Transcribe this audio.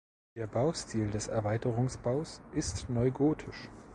Der Baustil des Erweiterungsbaus ist neugotisch.